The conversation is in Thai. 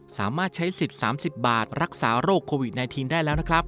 สามารถใช้สิทธิ์๓๐บาทรักษาโรคโควิด๑๙ได้แล้วนะครับ